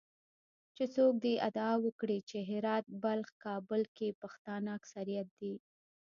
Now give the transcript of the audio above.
چې څوک دې ادعا وکړي چې هرات، بلخ، کابل کې پښتانه اکثریت دي